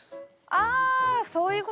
あそういうことですね。